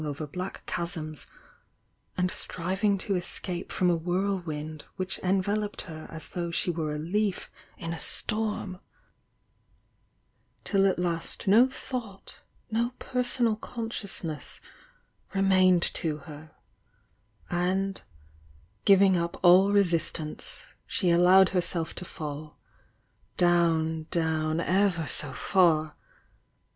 ~ black chasms and striving to escape from a whirlwind which en veloped her as though she were a leaf in a storm, — till at last no thought, no personal consciousness remained to her, and, giving up all resistance, she allowed herself to fall, — down, down ever so far!